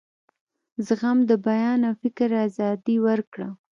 زغم د بیان او فکر آزادي ورکړه.